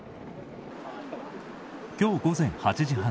今日午前８時半